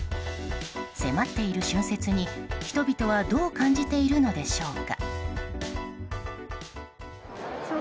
迫っている春節に、人々はどう感じているのでしょうか。